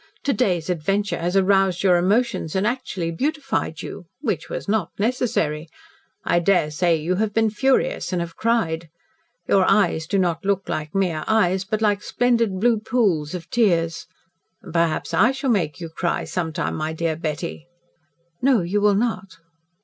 "To day's adventure has roused your emotions and actually beautified you which was not necessary. I daresay you have been furious and have cried. Your eyes do not look like mere eyes, but like splendid blue pools of tears. Perhaps I shall make you cry sometime, my dear Betty." "No, you will not."